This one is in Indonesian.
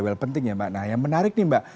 well penting ya mbak nah yang menarik nih mbak